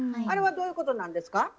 あれはどういうことなんですか？